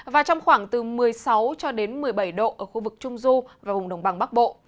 và trong khoảng từ một mươi sáu cho đến một mươi bảy độ ở khu vực trung du và vùng đồng bằng bắc bộ